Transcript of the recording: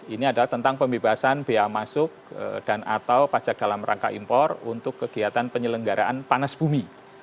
ini adalah tentang pembebasan biaya masuk dan atau pajak dalam rangka impor untuk kegiatan penyelenggaraan panas bumi